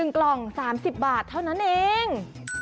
๑กล่อง๓๐บาทเท่านั้นเอง